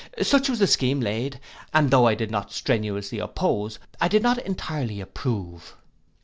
Such was the scheme laid, which though I did not strenuously oppose, I did not entirely approve.